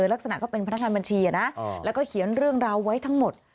ลักษณะก็เป็นพนักงานบัญชีนะแล้วก็เขียนเรื่องราวไว้ทั้งหมด